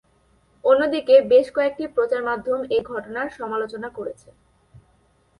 অন্যদিকে বেশ কয়েকটি প্রচার মাধ্যম এই ঘটনার সমালোচনা করেছে।